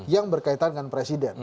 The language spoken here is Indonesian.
yang berkaitan dengan presiden